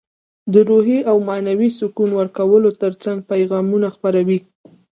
د روحي او معنوي سکون ورکولو ترڅنګ پیغامونه خپروي.